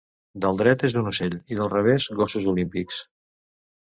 Del dret és un ocell i del revés gossos olímpics.